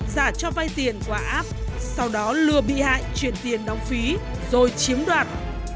giả cho vay tiền qua app sau đó lừa bị hại chuyển tiền đóng phí rồi chiếm đoạt